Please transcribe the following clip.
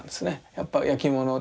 やっぱ焼き物って。